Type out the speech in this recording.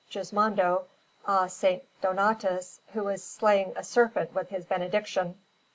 Gismondo, a S. Donatus who is slaying a serpent with his benediction.